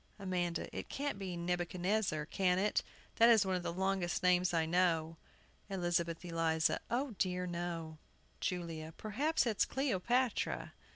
AMANDA. It can't be Nebuchadnezzar, can it? that is one of the longest names I know. ELIZABETH ELIZA. O dear, no! JULIA. Perhaps it's Cleopatra.